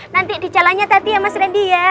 nanti di jalannya tadi ya mas radi ya